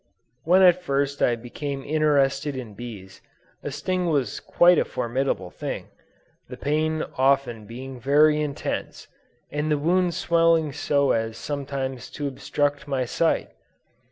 When I first became interested in bees, a sting was quite a formidable thing, the pain often being very intense, and the wound swelling so as sometimes to obstruct my sight.